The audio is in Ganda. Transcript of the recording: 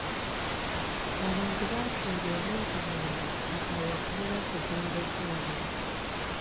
Abantu baafiirwa ebintu byabwe mu kaweefube w'okuzimba eddwaliro.